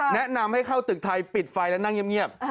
แนะนำให้เข้าตึกไทยปิดไฟแล้วนั่งเงียบ